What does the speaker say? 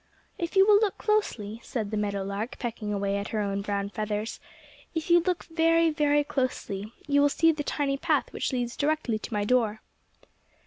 "If you will look closely," said the meadow lark, pecking away at her own brown feathers, "if you look very, very closely, you will see the tiny path which leads directly to my door."